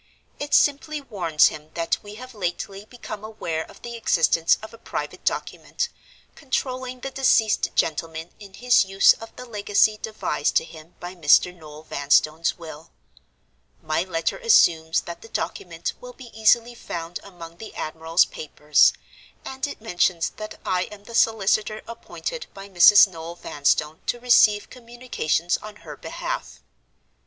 It simply warns him that we have lately become aware of the existence of a private Document, controlling the deceased gentleman in his use of the legacy devised to him by Mr. Noel Vanstone's will. My letter assumes that the document will be easily found among the admiral's papers; and it mentions that I am the solicitor appointed by Mrs. Noel Vanstone to receive communications on her behalf.